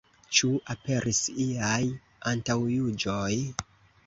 Ĉu aperis iaj antaŭjuĝoj?